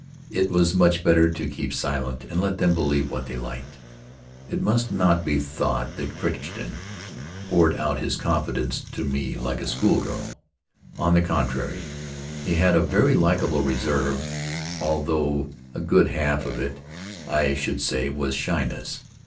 It was much better to keep silent and let them believe what they liked. It must not be thought that Crichton poured out his confidences to me like a schoolgirl. On the contrary, he had a very likable reserve, although a good half of it, I should say, was shyness.